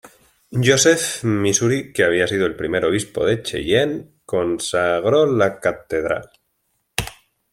Joseph, Missouri, que había sido el primer obispo de Cheyenne consagró la catedral.